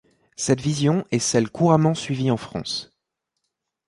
Cette vision est celle couramment suivie en France.